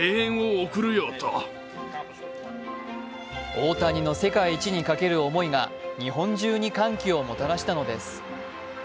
大谷の世界一にかける思いが日本中に歓喜をもたらしたのです。